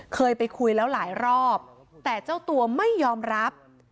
เคยไปคุยแล้วหลายรอบแต่เจ้าตัวไม่ยอมรับ